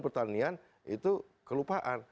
pertanian itu kelupaan